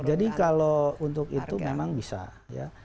iya jadi kalau untuk itu memang bisa ya